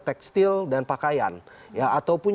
tekstil dan pakaian ya ataupun